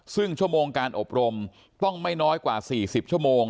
ซึ่งชั่วโมงการอบรมต้องไม่น้อยกว่า๔๐ชั่วโมง